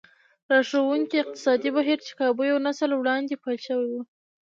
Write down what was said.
راښکوونکي اقتصادي بهير چې کابو يو نسل وړاندې پيل شوی و.